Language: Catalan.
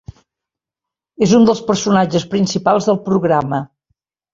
És un dels personatges principals del programa.